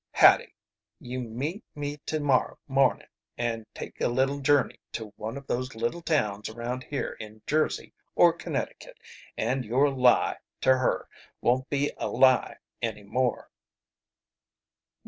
"Hattie, you meet me to morrow morning and take a little journey to one of these little towns around here in Jersey or Connecticut, and your lie to her won't be a lie any more."